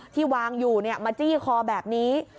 ที่วางอยู่มาจี้คอแบบนี้